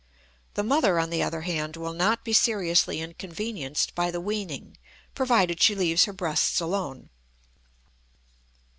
The mother, on the other hand, will not be seriously inconvenienced by the weaning, provided she leaves her breasts alone.